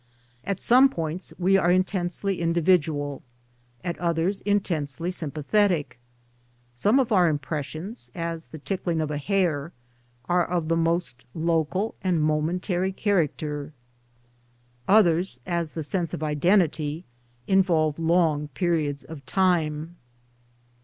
At some points we are intensely individual, at others intensely sympathetic ; some of our impressions (as the tickling of a hair) are of the most local and momentary character, others (as the sense of identity) involve long periods of time.